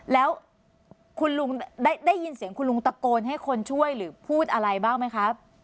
แล้วคุณลุงได้ยินเสียงคุณลุงตะโกนให้คนช่วยหรือพูดอะไรบ้างไหมครับ